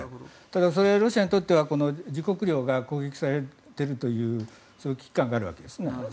ただ、それはロシアにとっては自国領が攻撃されているという危機感があるわけです。